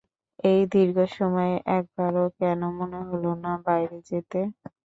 এই দীর্ঘ সময়ে একবারও কেন মনে হল না বাইরে যেতে?